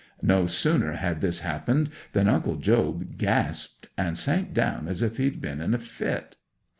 No sooner had this happened than Uncle Job gasped, and sank down as if he'd been in a fit.